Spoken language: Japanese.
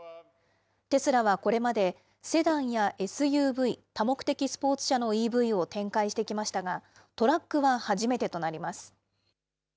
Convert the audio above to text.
テスラはこれまで、セダンやＳＵＶ・多目的スポーツ車のＥＶを展開してきましたが、トラックは初めてとなります。